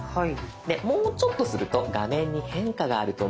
でもうちょっとすると画面に変化があると思います。